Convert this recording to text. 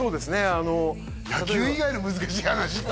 あの野球以外の難しい話って？